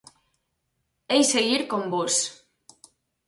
Hei seguir con vós.